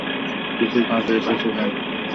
কিছু কাজে এসেছিলাম।